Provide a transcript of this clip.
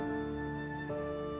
ada yang k frame